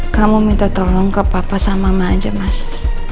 kamu minta tolong ke papa sama mama aja mas